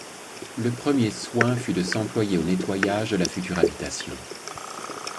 Le premier soin fut de s’employer au nettoyage de la future habitation.